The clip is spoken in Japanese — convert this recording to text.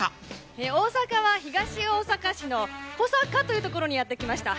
大阪は東大阪市の小阪という所にやって来ました。